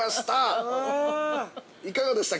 いかがでした？